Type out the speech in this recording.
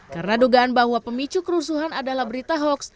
karena dugaan bahwa pemicu kerusuhan adalah berita hoax